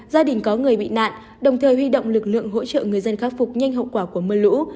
gia đình có người bị nạn đồng thời huy động lực lượng hỗ trợ người dân khắc phục nhanh hậu quả của mưa lũ